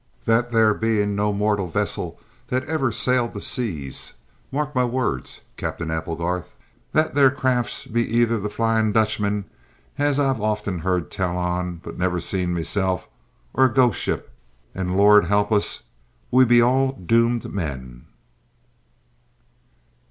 "That there be no mortal vessel that ever sailed the seas. Mark my words, Cap'en Applegarth, that there craft be either The Flying Dutchman, as I've often heard tell on, but never seen meself, or a ghost ship; and Lord help us we be all doomed men!"